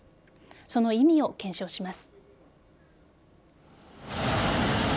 その意味を検証します。